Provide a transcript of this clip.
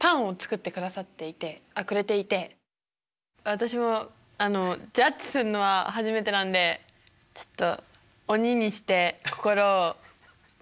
私もジャッジすんのは初めてなんでちょっと鬼にして心を頑張ります。